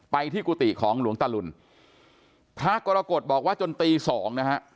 ที่กุฏิของหลวงตะลุนพระกรกฎบอกว่าจนตีสองนะฮะ